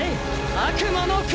悪魔の子。